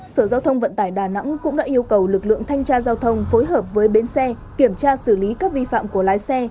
sở giao thông vận tải đà nẵng cũng đã yêu cầu lực lượng thanh tra giao thông phối hợp với bến xe kiểm tra xử lý các vi phạm của lái xe